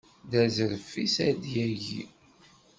D azref-is ad yagi.